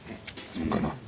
そうかな。